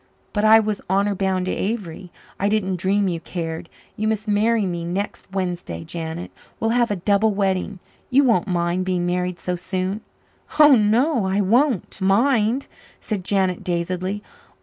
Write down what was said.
But I was honour bound to Avery I didn't dream you cared. You must marry me next Wednesday, Janet we'll have a double wedding. You won't mind being married so soon?" "Oh, no I won't mind," said Janet dazedly.